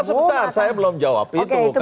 sebentar saya belum jawab itu